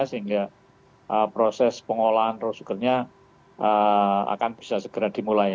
sehingga proses pengolahan raw sugar nya akan bisa segera dimulai